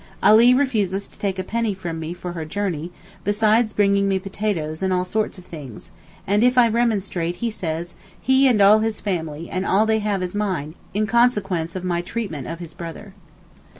Ali refuses to take a penny from me for her journey—besides bringing me potatoes and all sorts of things: and if I remonstrate he says he and all his family and all they have is mine, in consequence of my treatment of his brother.